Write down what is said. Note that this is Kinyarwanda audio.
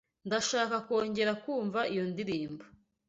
Ndashaka kongera kumva iyo ndirimbo.